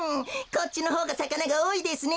こっちのほうがさかながおおいですね。